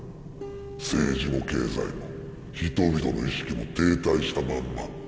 政治も経済も人々の意識も停滞したまんま。